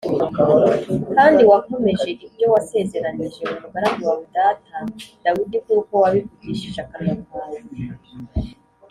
Kandi wakomeje ibyo wasezeranije umugaragu wawe data Dawidi nk’uko wabivugishije akanwa kawe